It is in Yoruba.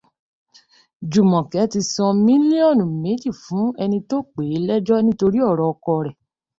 Jùmọ̀kẹ́ ti san mílíọ́nù méjì fún ẹni tó pèé lẹ́jọ́ nítorí ọ̀rọ̀ ọkọ rẹ̀